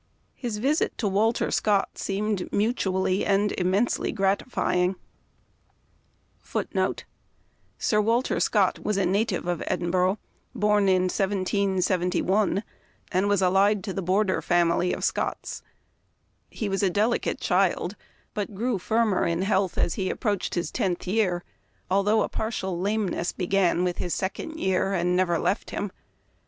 His visit to Walter Scott * seemed mutually * Sir Walter Scott was a native of Edinburgh, born in 1771, and was allied to the border family of Scotts. He was a deli cate child, but grew firmer in health as he approached his tenth year, although a partial lameness began with his second year and never left him.